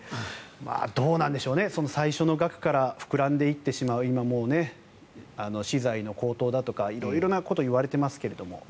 どうなんでしょうね最初の額から膨らんでいってしまう今、資材の高騰だとか色々なことが言われていますが。